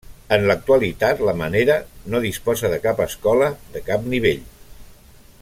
En l'actualitat, la Menera no disposa de cap escola, de cap nivell.